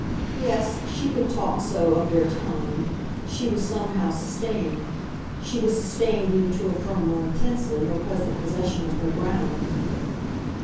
Yes, she could talk so of their "time" she was somehow sustained; she was sustained even to affirm more intensely her present possession of her ground.